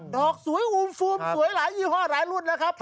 ดอกสวยอูมสวยหลายยี่ห้อหลายรุ่นแล้วครับ